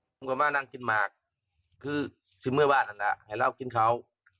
ผมก็มานั่งกินหมากคือซึมเมื่อวานนั่นแหละให้เหล้ากินเขา